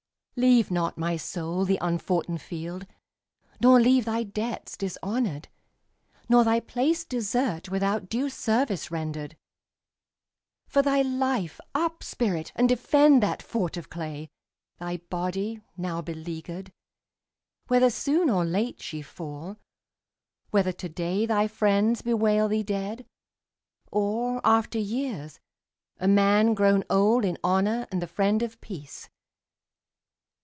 Leave not, my soul, the unfoughten field, nor leave Thy debts dishonoured, nor thy place desert Without due service rendered. For thy life, Up, spirit, and defend that fort of clay, Thy body, now beleaguered; whether soon Or late she fall; whether to day thy friends Bewail thee dead, or, after years, a man Grown old in honour and the friend of peace.